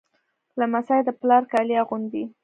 لمسی د پلار کالي اغوندي.